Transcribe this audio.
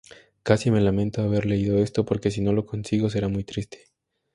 Casi me lamento haber leído esto, porque si no lo consigo será muy triste'.